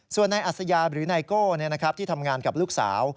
ส่วนนายอัศยาหรือไนโก้ที่ทำงานกับลูกสาว